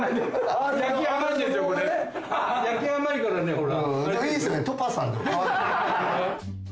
焼き甘いからねほら。